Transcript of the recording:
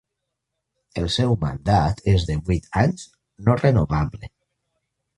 El seu mandat és de vuit anys no renovable.